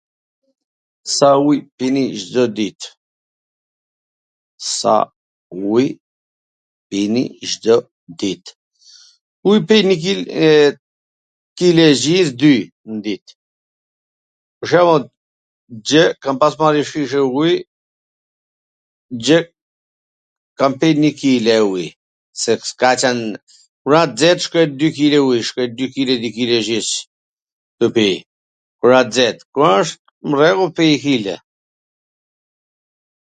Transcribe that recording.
Sa uj pini Cdo dit? Uj pi njw kile ... njw kile e gjys dy n dit, pwr shembull xhe kam pas marr njw shishe uji, xhe kam pir nji kile uj, se s ka qwn... mur a xet shkoj dy kile uj, shkoj dy kiledy kilee gjys, me pi, kur a xet, kur asht m rregull pi njw kile.